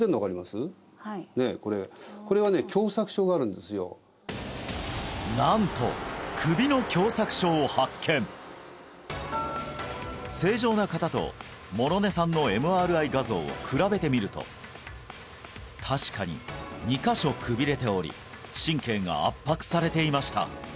これこれはねなんと正常な方と諸根さんのＭＲＩ画像を比べてみると確かに２カ所くびれており神経が圧迫されていました